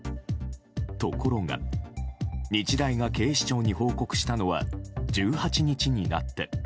ところが、日大が警視庁に報告したのは１８日になって。